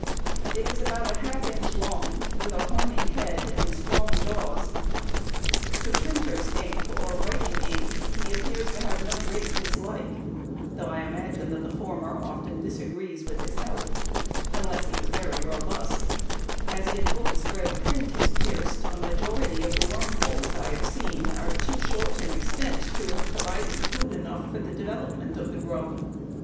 It is about half inch long, with a horny head and strong jaws. To printers' ink or writing ink he appears to have no great dislike, though I imagine that the former often disagrees with his health, unless he is very robust, as in books where the print is pierced a majority of the worm holes I have seen are too short in extent to have provided food enough for the development of the grub.